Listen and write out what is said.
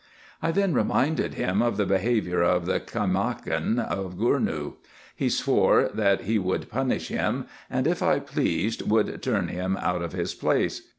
I then reminded him of the behaviour of the Caimakan of Gournou. He swore that he would punish him, and, if I pleased, would turn him out of his place.